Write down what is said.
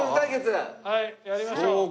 はいやりましょう。